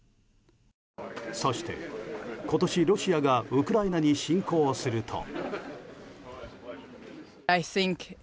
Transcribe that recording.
そして今年、ロシアがウクライナに侵攻すると。